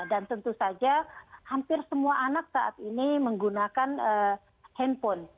dan tentu saja hampir semua anak saat ini menggunakan handphone